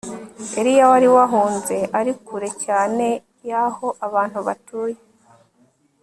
Eliya wari wahunze ari kure cyane yaho abantu batuye